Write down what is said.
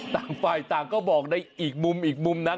ต่างฟ่ายต่างก็บอกในอีกมุมนั้น